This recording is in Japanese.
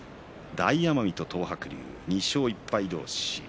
大奄美と東白龍、２勝１敗同士。